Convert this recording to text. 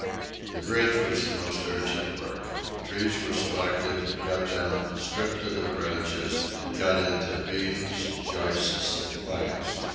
The bridge was the most urgent work. Trees were selected, cut down, stripped of their branches, and cut into beams, joists, and planks.